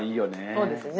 そうですね。